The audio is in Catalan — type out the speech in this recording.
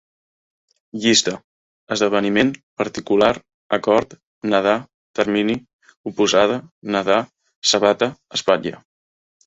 Llista: esdeveniment, particular, acord, nedar, termini, oposada, nadar, sabata, espatlla